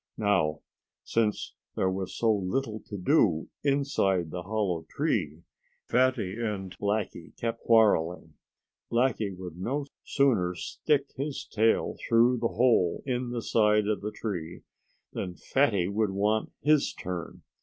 Now, since there was so little to do inside the hollow tree, Fatty and Blackie kept quarreling. Blackie would no sooner stick his tail through the hole in the side of the tree than Fatty would want HIS turn.